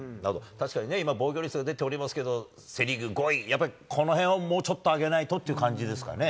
確かにね、今、防御率が出ていますけれども、セ・リーグ５位、やっぱりこのへんをもうちょっと上げないとっていう感じですかね。